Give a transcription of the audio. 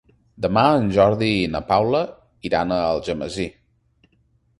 Demà en Jordi i na Paula iran a Algemesí.